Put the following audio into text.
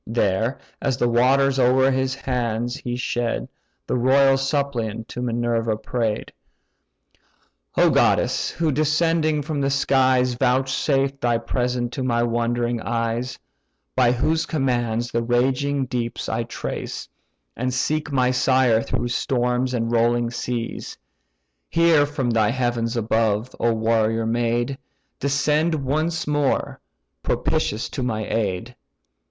There, as the waters o'er his hands he shed, The royal suppliant to Minerva pray'd: "O goddess! who descending from the skies Vouchsafed thy presence to my wondering eyes, By whose commands the raging deeps I trace, And seek my sire through storms and rolling seas! Hear from thy heavens above, O warrior maid! Descend once more, propitious to my aid.